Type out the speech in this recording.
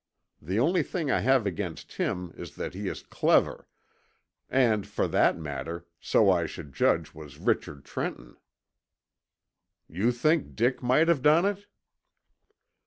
The only thing I have against him is that he is clever, and for that matter so I should judge was Richard Trenton." "You think Dick might have done it?"